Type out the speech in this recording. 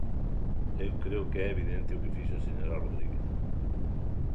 Eu creo que é evidente o que fixo a señora Rodríguez.